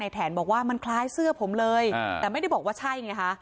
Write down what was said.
แถนบอกว่ามันคล้ายเสื้อผมเลยแต่ไม่ได้บอกว่าใช่ไงคะ